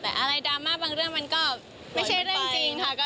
ใช่มันเป็นเหตุวิสัยจริงค่ะ